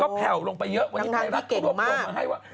แผ่วลงไปเยอะวันนี้ไทยรัฐก็รวบรวมมาให้ว่า